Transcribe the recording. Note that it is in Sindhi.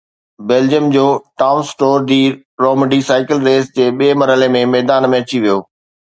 بيلجيم جو Thomas Tour de Romandie cycle race جي ٻئي مرحلي ۾ ميدان ۾ اچي ويو